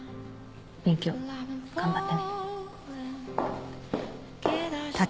勉強頑張ってね。